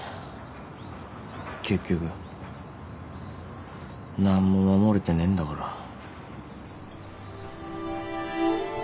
結局何も守れてねえんだから。